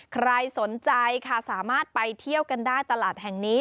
ใครสนใจค่ะสามารถไปเที่ยวกันได้ตลาดแห่งนี้